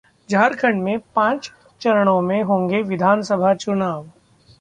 झारखंड में पांच चरणों में होंगे विधानसभा चुनाव